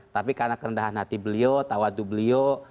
tapi karena kerendahan hati beliau tawadu beliau